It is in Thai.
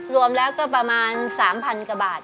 รวมแล้วก็ประมาณ๓๐๐๐กว่าบาท